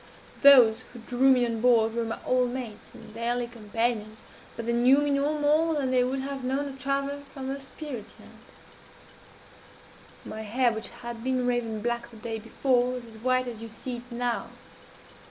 Those who drew me on board were my old mates and daily companions, but they knew me no more than they would have known a traveller from the spirit land. My hair, which had been raven black the day before, was as white as you see it now.